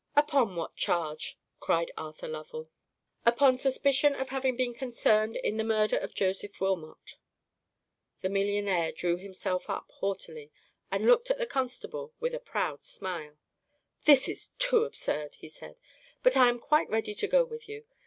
"Upon what charge?" cried Arthur Lovell. "Upon suspicion of having been concerned in the murder of Joseph Wilmot." The millionaire drew himself up haughtily, and looked at the constable with a proud smile. "This is too absurd," he said; "but I am quite ready to go with you.